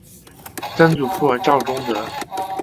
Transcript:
曾祖父赵仲德。